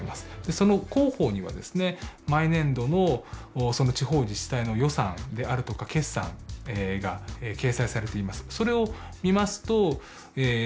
その広報にはですね毎年度の地方自治体の予算であるとか決算が掲載されています。